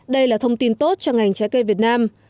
đây là thông tin tốt cho ngành trái cây việt nam